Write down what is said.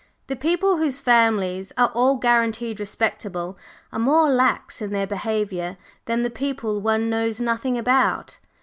"The people whose families are all guaranteed respectable are more lax in their behavior than the people one knows nothing about.